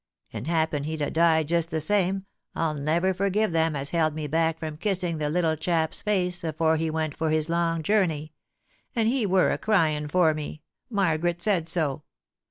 . And happen he'd ha' died just the same, I'll never forgive them as held me back from kissing the little chap's face afore he went for his long journey — and he wur a cryin' for me — Margaret said so.